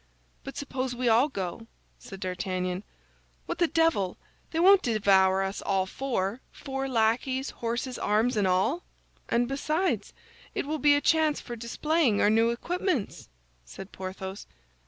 "But suppose we all go," said D'Artagnan; "what the devil! They won't devour us all four, four lackeys, horses, arms, and all!" "And besides, it will be a chance for displaying our new equipments," said Porthos.